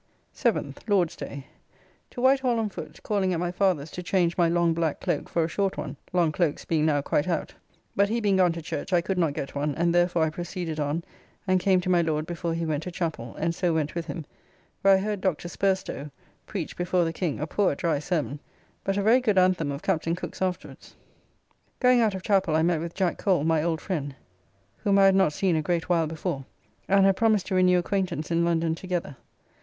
7th (Lord's day). To White Hall on foot, calling at my father's to change my long black cloak for a short one (long cloaks being now quite out); but he being gone to church, I could not get one, and therefore I proceeded on and came to my Lord before he went to chapel and so went with him, where I heard Dr. Spurstow preach before the King a poor dry sermon; but a very good anthem of Captn. Cooke's afterwards. Going out of chapel I met with Jack Cole, my old friend (whom I had not seen a great while before), and have promised to renew acquaintance in London together.